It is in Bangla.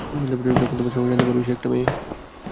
যখন তোমার স্বামী জানতে পারবে সে একটা মেয়ে।